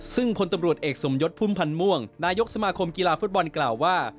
ซึ่งพลตำรวจเอกสมยศพุ่มพันธ์ม่วงนายกสมาคมกีฬาฟุตบอลกล่าวว่า